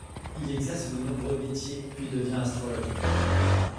Il exerce de nombreux métiers puis devient astrologue.